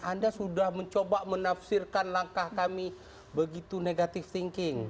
anda sudah mencoba menafsirkan langkah kami begitu negatif thinking